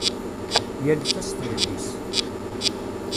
Yal ta s tlelli-s.